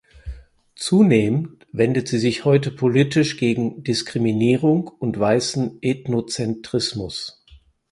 Zunehmend wendet sie sich heute politisch gegen Diskriminierung und weißen Ethnozentrismus.